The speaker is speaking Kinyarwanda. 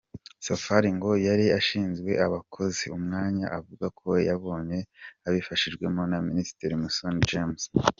Safari ngo yari ashinzwe abakozi; umwanya avuga ko yabonye abifashijwemo na Minisitiri Musoni James.